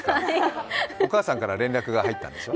お母さんから連絡が入ったんでしょ？